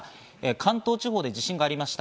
関東地方で地震がありました。